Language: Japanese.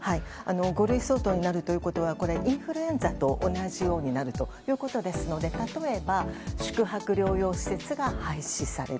五類相当になるということはインフルエンザと同じようになるということですので例えば宿泊療養施設が廃止される。